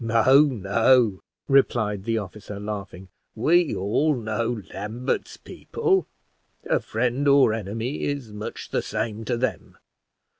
"No, no," replied the officer, laughing, "we all know Lambert's people a friend or enemy is much the same to them.